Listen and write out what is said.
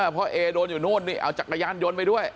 เอโดนอยู่นู่นนี่เอาจักรยานยนต์ไปด้วย